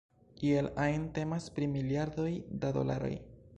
Iel ajn temas pri miliardoj da dolaroj.